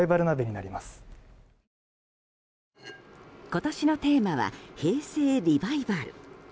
今年のテーマは平成リバイバル。